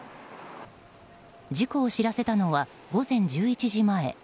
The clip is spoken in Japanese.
事故を知らせたのは午前１１時前。